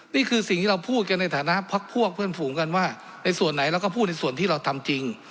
นี่คือสิ่งที่เราพูดกันในฐานะพักพวกเพื่อนฝูงกันว่าในส่วนไหนเราก็พูดในส่วนที่เราทำจริง